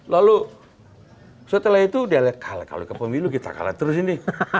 lalu setelah itu dia kalah kalau ke pemilu kita kalah terus ini